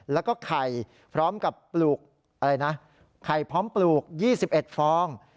แล้วก็ไข่พร้อมกับปลูกอะไรนะไข่พร้อมปลูก๒๑ฟอง